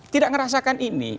tidak ngerasakan ini